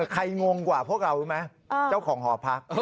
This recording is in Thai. งงกว่าพวกเรารู้ไหมเจ้าของหอพัก